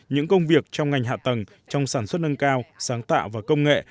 những công việc trong ngành hạ tầng trong sản xuất nâng cao sáng tạo và công nghệ